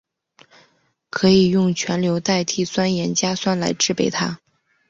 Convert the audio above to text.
可以用全硫代锑酸盐加酸来制备它。